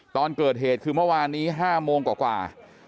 ตอนเกิดเหตุคือเมื่อวานนี้๕โมงกว่า